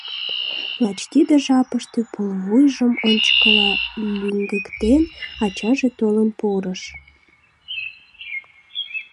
Лач тиде жапыште, пулвуйжым ончыкыла лӱҥгыктен, ачаже толын пурыш.